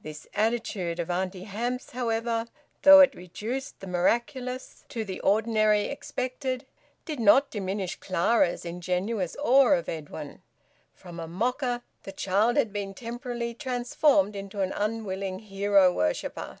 This attitude of Auntie Hamps, however, though it reduced the miraculous to the ordinary expected, did not diminish Clara's ingenuous awe of Edwin. From a mocker, the child had been temporarily transformed into an unwilling hero worshipper.